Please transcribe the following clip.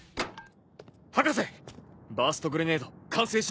博士バーストグレネード完成しました。